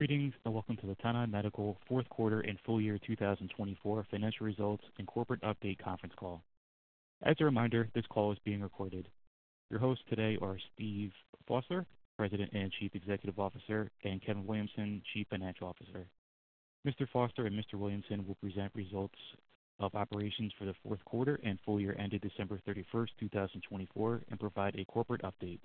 Greetings and welcome to the Tenon Medical Fourth Quarter and Full Year 2024 Financial Results and Corporate Update Conference Call. As a reminder, this call is being recorded. Your hosts today are Steven Foster, President and Chief Executive Officer, and Kevin Williamson, Chief Financial Officer. Mr. Foster and Mr. Williamson will present results of operations for the fourth quarter and full year ended December 31st, 2024, and provide a corporate update.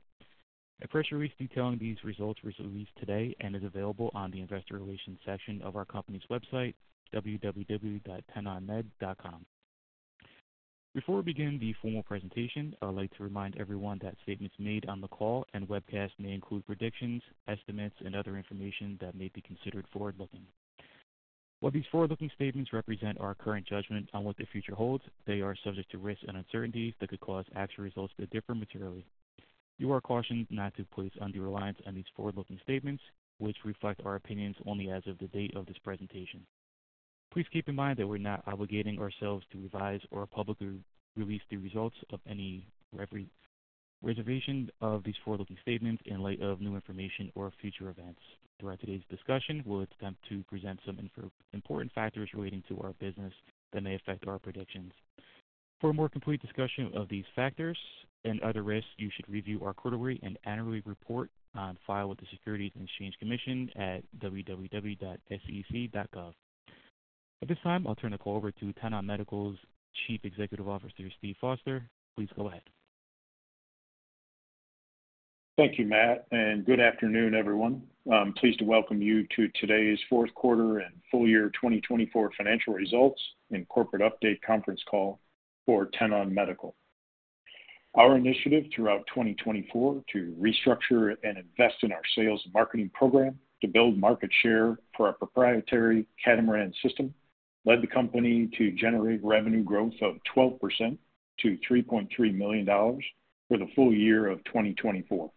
A press release detailing these results was released today and is available on the investor relations section of our company's website, www.tenonmed.com. Before we begin the formal presentation, I'd like to remind everyone that statements made on the call and webcast may include predictions, estimates, and other information that may be considered forward-looking. While these forward-looking statements represent our current judgment on what the future holds, they are subject to risks and uncertainties that could cause actual results to differ materially. You are cautioned not to place undue reliance on these forward-looking statements, which reflect our opinions only as of the date of this presentation. Please keep in mind that we're not obligating ourselves to revise or publicly release the results of any reservation of these forward-looking statements in light of new information or future events. Throughout today's discussion, we'll attempt to present some important factors relating to our business that may affect our predictions. For a more complete discussion of these factors and other risks, you should review our quarterly and annual report on file with the Securities and Exchange Commission at www.sec.gov. At this time, I'll turn the call over to Tenon Medical's Chief Executive Officer, Steven Foster. Please go ahead. Thank you, Matt, and good afternoon, everyone. I'm pleased to welcome you to today's Fourth Quarter and Full Year 2024 Financial Results and Corporate Update Conference Call for Tenon Medical. Our initiative throughout 2024 to restructure and invest in our sales and marketing program to build market share for our proprietary Catamaran system led the company to generate revenue growth of 12% to $3.3 million for the full year of 2024.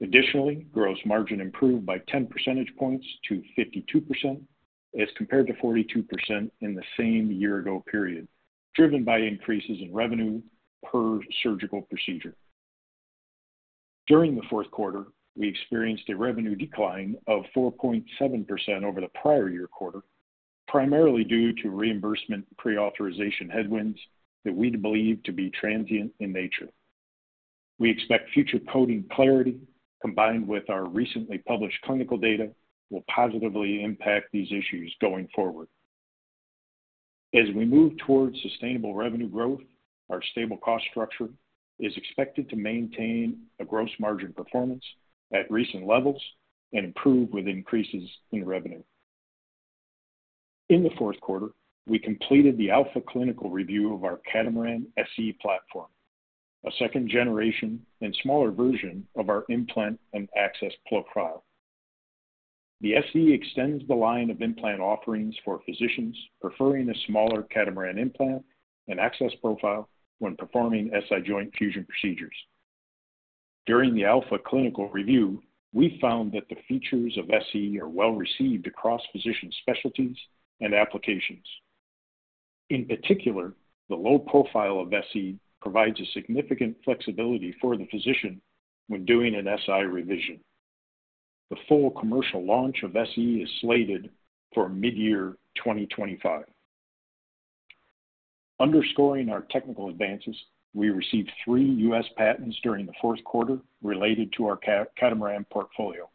Additionally, gross margin improved by 10 percentage points to 52% as compared to 42% in the same year-ago period, driven by increases in revenue per surgical procedure. During the fourth quarter, we experienced a revenue decline of 4.7% over the prior year quarter, primarily due to reimbursement pre-authorization headwinds that we believe to be transient in nature. We expect future coding clarity, combined with our recently published clinical data, will positively impact these issues going forward. As we move towards sustainable revenue growth, our stable cost structure is expected to maintain a gross margin performance at recent levels and improve with increases in revenue. In the fourth quarter, we completed the Alpha Clinical review of our Catamaran SE platform, a second generation and smaller version of our implant and access profile. The SE extends the line of implant offerings for physicians preferring a smaller Catamaran implant and access profile when performing SI joint fusion procedures. During the Alpha Clinical review, we found that the features of SE are well received across physician specialties and applications. In particular, the low profile of SE provides a significant flexibility for the physician when doing an SI revision. The full commercial launch of SE is slated for mid-year 2025. Underscoring our technical advances, we received three U.S. patents during the fourth quarter related to our Catamaran portfolio.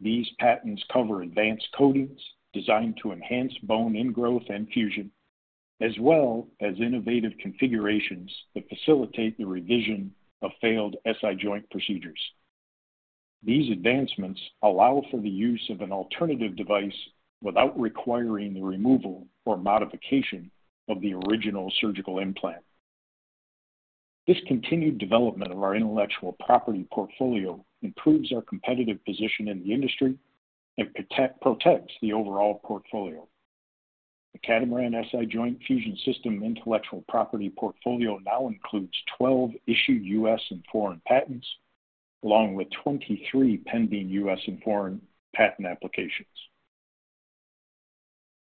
These patents cover advanced coatings designed to enhance bone ingrowth and fusion, as well as innovative configurations that facilitate the revision of failed SI joint procedures. These advancements allow for the use of an alternative device without requiring the removal or modification of the original surgical implant. This continued development of our intellectual property portfolio improves our competitive position in the industry and protects the overall portfolio. The Catamaran SI Joint Fusion System intellectual property portfolio now includes 12 issued U.S. and foreign patents, along with 23 pending U.S. and foreign patent applications.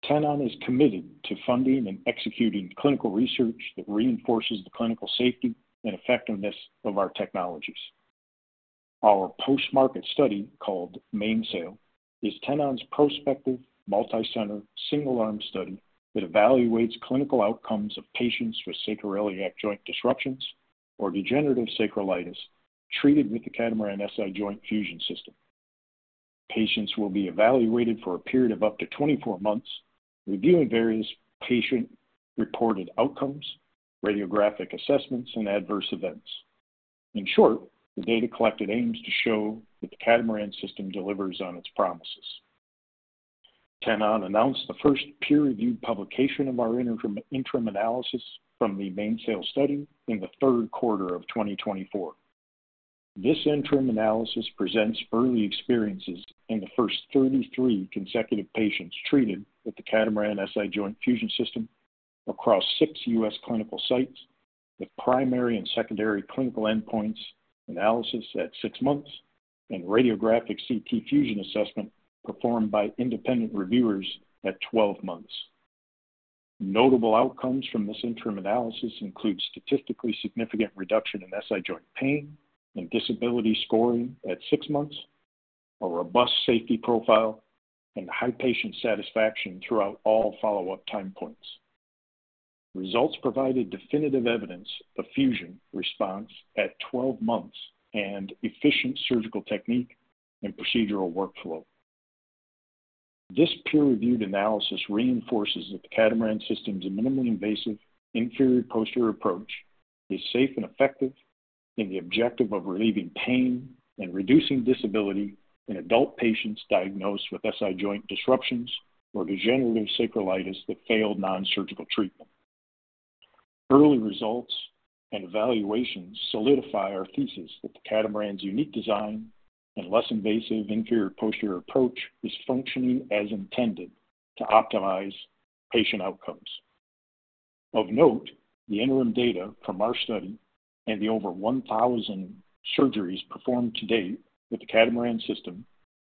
Tenon is committed to funding and executing clinical research that reinforces the clinical safety and effectiveness of our technologies. Our post-market study called MAINSAIL is Tenon's prospective multi-center single-arm study that evaluates clinical outcomes of patients with sacroiliac joint disruptions or degenerative sacroiliitis treated with the Catamaran SI Joint Fusion System. Patients will be evaluated for a period of up to 24 months, reviewing various patient-reported outcomes, radiographic assessments, and adverse events. In short, the data collected aims to show that the Catamaran system delivers on its promises. Tenon announced the first peer-reviewed publication of our interim analysis from the MAINSAIL study in the third quarter of 2024. This interim analysis presents early experiences in the first 33 consecutive patients treated with the Catamaran SI Joint Fusion System across six U.S. clinical sites, with primary and secondary clinical endpoints analysis at six months and radiographic CT fusion assessment performed by independent reviewers at 12 months. Notable outcomes from this interim analysis include statistically significant reduction in SI joint pain and disability scoring at six months, a robust safety profile, and high patient satisfaction throughout all follow-up time points. Results provided definitive evidence of fusion response at 12 months and efficient surgical technique and procedural workflow. This peer-reviewed analysis reinforces that the Catamaran system's minimally invasive inferior-posterior approach is safe and effective in the objective of relieving pain and reducing disability in adult patients diagnosed with SI joint disruptions or degenerative sacroiliitis that failed nonsurgical treatment. Early results and evaluations solidify our thesis that the Catamaran's unique design and less invasive inferior-posterior approach is functioning as intended to optimize patient outcomes. Of note, the interim data from our study and the over 1,000 surgeries performed to date with the Catamaran system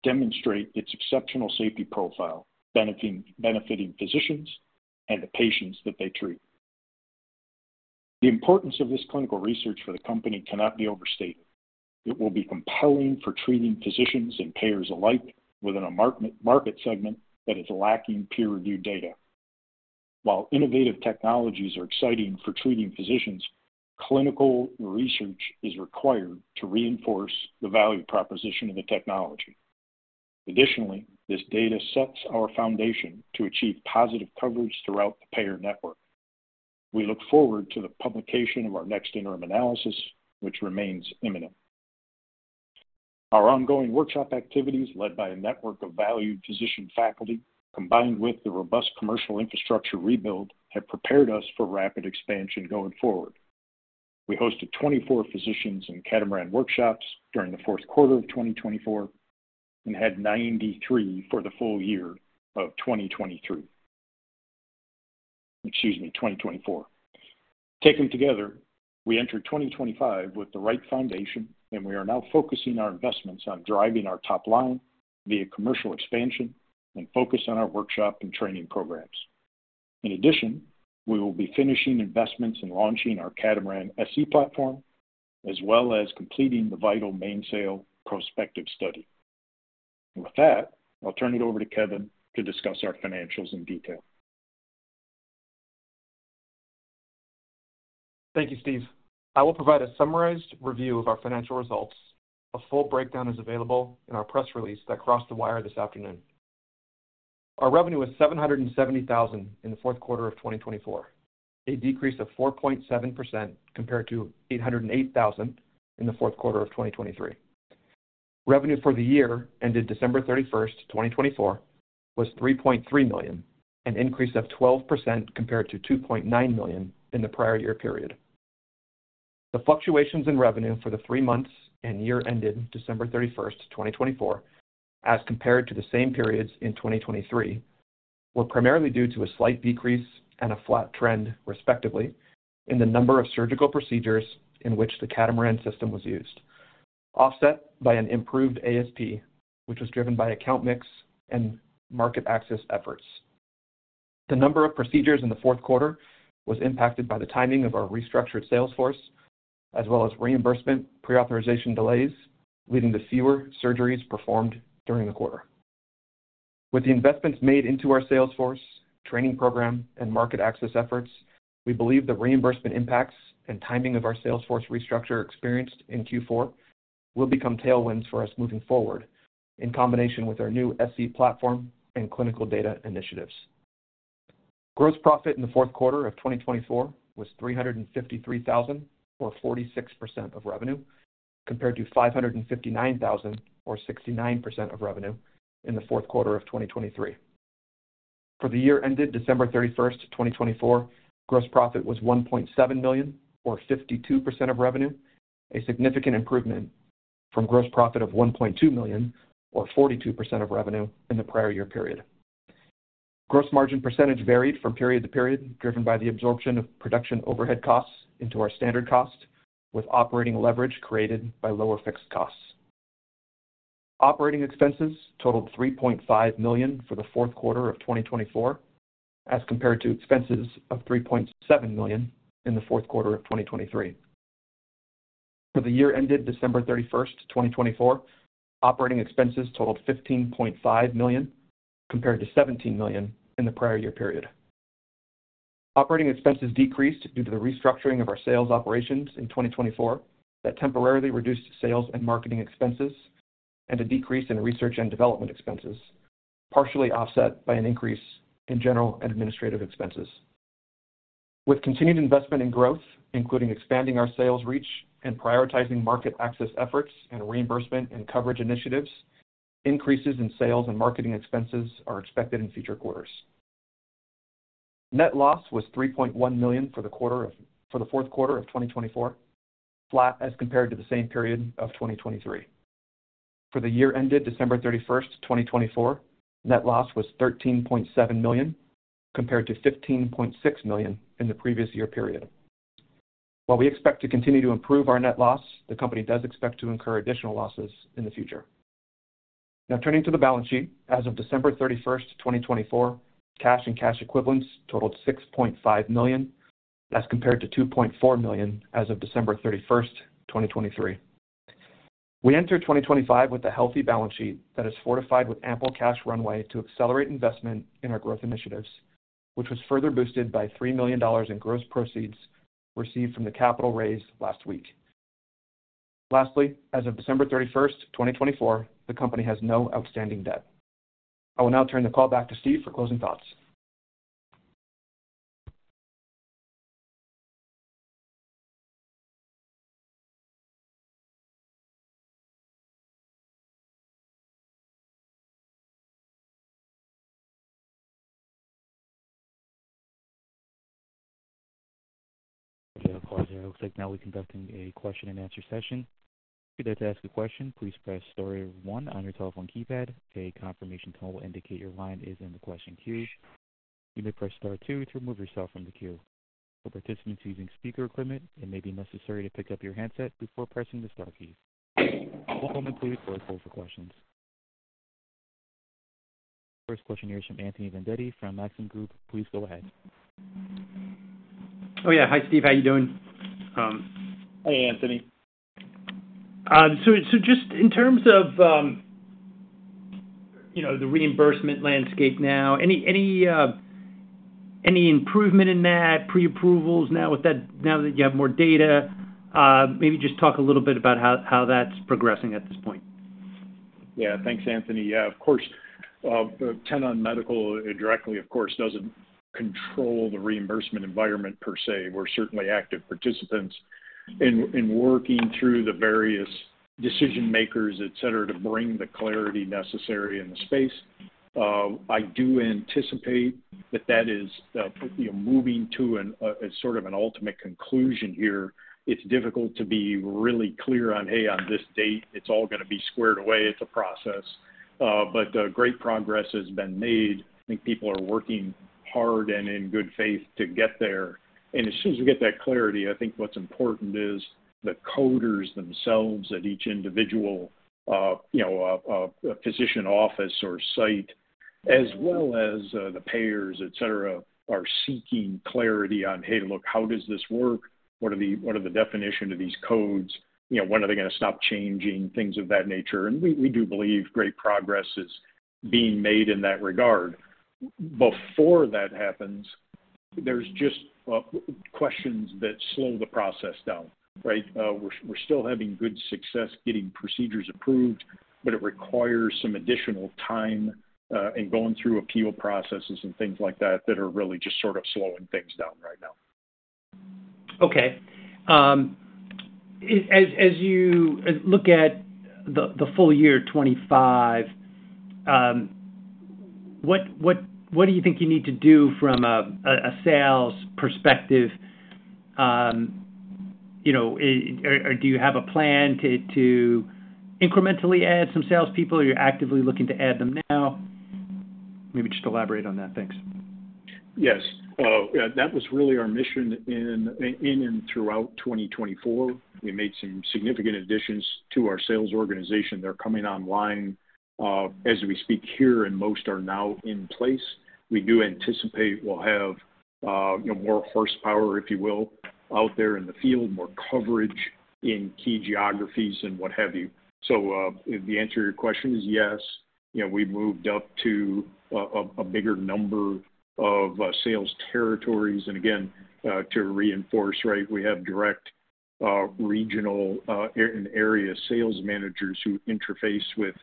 demonstrate its exceptional safety profile, benefiting physicians and the patients that they treat. The importance of this clinical research for the company cannot be overstated. It will be compelling for treating physicians and payers alike within a market segment that is lacking peer-reviewed data. While innovative technologies are exciting for treating physicians, clinical research is required to reinforce the value proposition of the technology. Additionally, this data sets our foundation to achieve positive coverage throughout the payer network. We look forward to the publication of our next interim analysis, which remains imminent. Our ongoing workshop activities, led by a network of valued physician faculty, combined with the robust commercial infrastructure rebuild, have prepared us for rapid expansion going forward. We hosted 24 physicians in Catamaran workshops during the fourth quarter of 2024 and had 93 for the full year of 2024. Excuse me, 2024. Taken together, we entered 2025 with the right foundation, and we are now focusing our investments on driving our top line via commercial expansion and focus on our workshop and training programs. In addition, we will be finishing investments and launching our Catamaran SE platform, as well as completing the vital MAINSAIL prospective study. With that, I'll turn it over to Kevin to discuss our financials in detail. Thank you, Steve. I will provide a summarized review of our financial results. A full breakdown is available in our press release that crossed the wire this afternoon. Our revenue was $770,000 in the fourth quarter of 2024, a decrease of 4.7% compared to $808,000 in the fourth quarter of 2023. Revenue for the year ended December 31, 2024, was $3.3 million, an increase of 12% compared to $2.9 million in the prior year period. The fluctuations in revenue for the three months and year ended December 31, 2024, as compared to the same periods in 2023, were primarily due to a slight decrease and a flat trend, respectively, in the number of surgical procedures in which the Catamaran system was used, offset by an improved ASP, which was driven by account mix and market access efforts. The number of procedures in the fourth quarter was impacted by the timing of our restructured sales force, as well as reimbursement pre-authorization delays, leading to fewer surgeries performed during the quarter. With the investments made into our sales force, training program, and market access efforts, we believe the reimbursement impacts and timing of our sales force restructure experienced in Q4 will become tailwinds for us moving forward, in combination with our new SE platform and clinical data initiatives. Gross profit in the fourth quarter of 2024 was $353,000, or 46% of revenue, compared to $559,000, or 69% of revenue, in the fourth quarter of 2023. For the year ended December 31, 2024, gross profit was $1.7 million, or 52% of revenue, a significant improvement from gross profit of $1.2 million, or 42% of revenue, in the prior year period. Gross margin percentage varied from period to period, driven by the absorption of production overhead costs into our standard cost, with operating leverage created by lower fixed costs. Operating expenses totaled $3.5 million for the fourth quarter of 2024, as compared to expenses of $3.7 million in the fourth quarter of 2023. For the year ended December 31, 2024, operating expenses totaled $15.5 million, compared to $17 million in the prior year period. Operating expenses decreased due to the restructuring of our sales operations in 2024 that temporarily reduced sales and marketing expenses and a decrease in research and development expenses, partially offset by an increase in general and administrative expenses. With continued investment and growth, including expanding our sales reach and prioritizing market access efforts and reimbursement and coverage initiatives, increases in sales and marketing expenses are expected in future quarters. Net loss was $3.1 million for the fourth quarter of 2024, flat as compared to the same period of 2023. For the year ended December 31st, 2024, net loss was $13.7 million, compared to $15.6 million in the previous year period. While we expect to continue to improve our net loss, the company does expect to incur additional losses in the future. Now, turning to the balance sheet, as of December 31st, 2024, cash and cash equivalents totaled $6.5 million, as compared to $2.4 million as of December 31st, 2023. We entered 2025 with a healthy balance sheet that is fortified with ample cash runway to accelerate investment in our growth initiatives, which was further boosted by $3 million in gross proceeds received from the capital raised last week. Lastly, as of December 31st, 2024, the company has no outstanding debt. I will now turn the call back to Steve for closing thoughts. Thank you, Claudia. It looks like now we're conducting a question-and-answer session. If you'd like to ask a question, please press star one on your telephone keypad. A confirmation call will indicate your line is in the question queue. You may press star two to remove yourself from the queue. For participants using speaker equipment, it may be necessary to pick up your handset before pressing the Star key. Hold a moment, please, or wait for questions. First question here is from Anthony Vendetti from Maxim Group. Please go ahead. Oh, yeah. Hi, Steven. How are you doing? Hey, Anthony. Just in terms of the reimbursement landscape now, any improvement in that, pre-approvals now that you have more data? Maybe just talk a little bit about how that's progressing at this point. Yeah. Thanks, Anthony. Yeah, of course, Tenon Medical directly, of course, doesn't control the reimbursement environment per se. We're certainly active participants in working through the various decision-makers, etc., to bring the clarity necessary in the space. I do anticipate that that is moving to sort of an ultimate conclusion here. It's difficult to be really clear on, "Hey, on this date, it's all going to be squared away. It's a process." Great progress has been made. I think people are working hard and in good faith to get there. As soon as we get that clarity, I think what's important is the coders themselves at each individual, a physician office or site, as well as the payers, etc., are seeking clarity on, "Hey, look, how does this work? What are the definitions of these codes? When are they going to stop changing?" Things of that nature. We do believe great progress is being made in that regard. Before that happens, there's just questions that slow the process down, right? We're still having good success getting procedures approved, but it requires some additional time and going through appeal processes and things like that that are really just sort of slowing things down right now. Okay. As you look at the full year 2025, what do you think you need to do from a sales perspective? Or do you have a plan to incrementally add some salespeople, or are you actively looking to add them now? Maybe just elaborate on that. Thanks. Yes. That was really our mission in and throughout 2024. We made some significant additions to our sales organization. They're coming online as we speak here, and most are now in place. We do anticipate we'll have more horsepower, if you will, out there in the field, more coverage in key geographies and what have you. The answer to your question is yes. We moved up to a bigger number of sales territories. Again, to reinforce, right, we have direct regional and area sales managers who interface with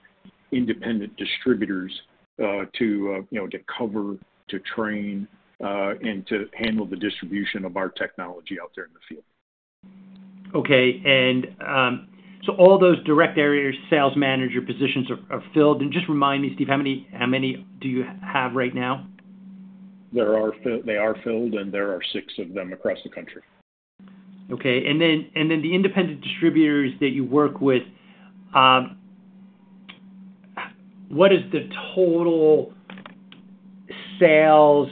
independent distributors to cover, to train, and to handle the distribution of our technology out there in the field. Okay. All those direct area sales manager positions are filled. Just remind me, Steven, how many do you have right now? They are filled, and there are six of them across the country. Okay. The independent distributors that you work with, what is the total sales?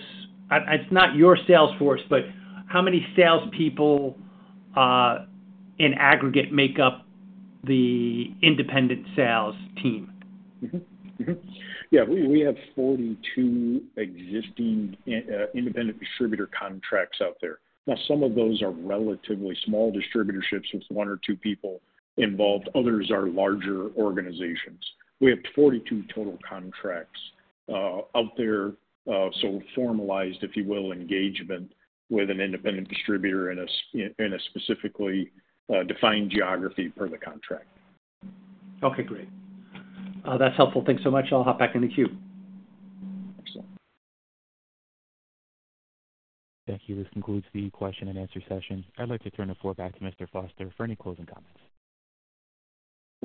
It's not your sales force, but how many salespeople in aggregate make up the independent sales team? Yeah. We have 42 existing independent distributor contracts out there. Now, some of those are relatively small distributorships with one or two people involved. Others are larger organizations. We have 42 total contracts out there. Formalized, if you will, engagement with an independent distributor in a specifically defined geography per the contract. Okay. Great. That's helpful. Thanks so much. I'll hop back in the queue. Excellent. Thank you. This concludes the question-and-answer session. I'd like to turn the floor back to Mr. Foster for any closing comments.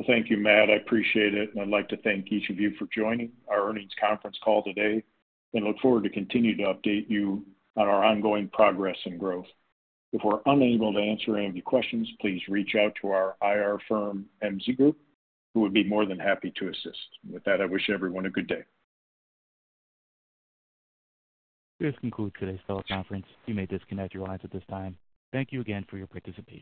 Thank you, Matt. I appreciate it. I would like to thank each of you for joining our earnings conference call today and look forward to continuing to update you on our ongoing progress and growth. If we are unable to answer any of your questions, please reach out to our IR firm, MZ Group, who would be more than happy to assist. With that, I wish everyone a good day. This concludes today's teleconference. You may disconnect your lines at this time. Thank you again for your participation.